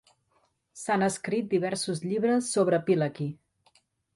S'han escrit diversos llibres sobre Pilecki.